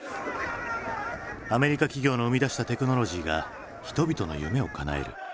アメリカ企業の生み出したテクノロジーが人々の夢をかなえる。